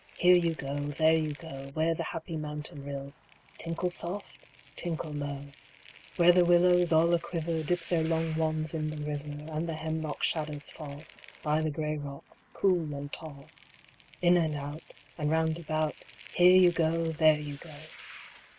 Here you go, there you go, Where the happy mountain rills Tinkle soft, tinkle low ; Where the willows, all a quiver, Dip their long wands in the river, And the hemlock shadows fall By the gray rocks, cool and tall — In and out, And round about, Here you go. There you go